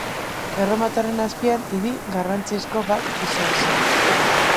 Erromatarren azpian hiri garrantzizko bat izan zen.